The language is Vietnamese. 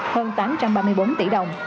hơn tám trăm ba mươi bốn tỷ đồng